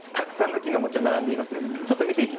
そしてたくさんの木のおもちゃが並んでいます。